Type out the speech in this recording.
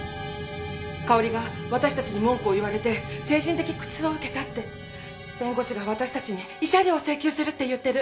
佳織が私たちに文句を言われて精神的苦痛を受けたって弁護士が私たちに慰謝料を請求するって言ってる。